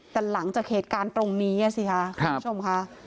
แต่หลังจากเหตุการณ์ตรงนี้สิค่ะคุณผู้ชมค่ะ